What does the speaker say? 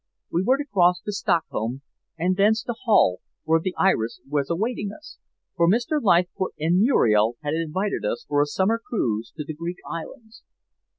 We were to cross to Stockholm and thence to Hull, where the Iris was awaiting us, for Mr. Leithcourt and Muriel had invited us for a summer cruise to the Greek Islands.